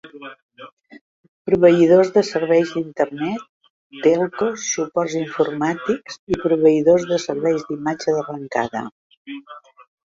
Proveïdors de serveis d'Internet, telcos, suports informàtics i proveïdors de serveis d'imatge d'arrencada.